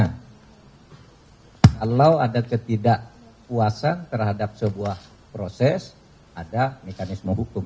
kalau ada ketidakpuasan terhadap sebuah proses ada mekanisme hukum